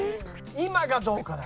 今がどうかだね。